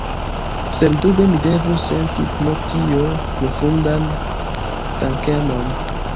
Sendube mi devus senti pro tio profundan dankemon.